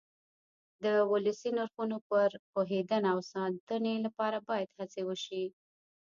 د ولسي نرخونو پر پوهېدنه او ساتنې لپاره باید هڅې وشي.